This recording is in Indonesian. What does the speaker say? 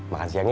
makan siang yuk